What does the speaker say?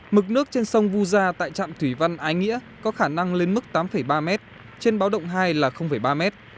mực nước trên sông vu gia tại trạm thủy văn ái nghĩa có khả năng lên mức tám ba m trên báo động hai là ba mét